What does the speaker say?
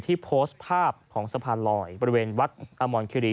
โพสต์ภาพของสะพานลอยบริเวณวัดอมรคิรี